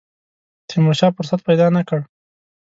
تیمورشاه فرصت پیدا نه کړ.